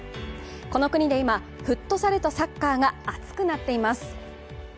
この国で今、フットサルとサッカーが熱くなっています。